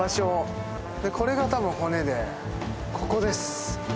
これがたぶん骨でここです